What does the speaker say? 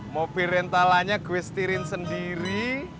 mobil rentalanya gue setirin sendiri